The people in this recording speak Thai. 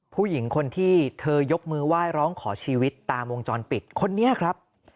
ผู้หญิงคนที่เธอยกมือไหว้ร้องขอชีวิตตามวงจรปิดคนนี้ครับ